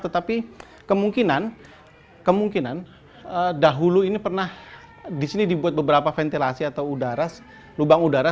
tetapi kemungkinan dahulu ini pernah di sini dibuat beberapa ventilasi atau udara lubang udara